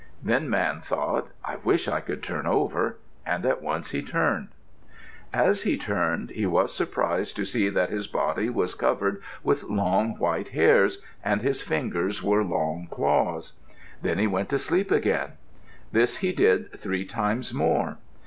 Then Man thought, "I wish I could turn over," and at once he turned. As he turned, he was surprised to see that his body was covered with long, white hairs; and his fingers were long claws. Then he went to sleep again. This he did three times more.